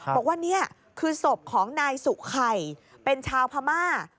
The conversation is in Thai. บอกว่านี่คือศพของนายสุไข่เป็นชาวพม่า